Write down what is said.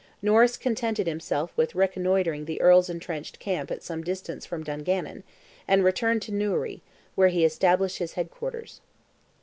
Norris contented himself with reconnoitring the Earl's entrenched camp at some distance from Dungannon, and returned to Newry, where he established his head quarters.